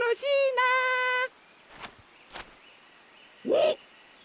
おっ！